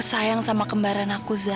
aku sayang sama kembaran aku za